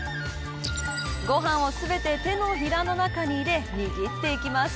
ご飯を全て手のひらの中に入れ握っていきます。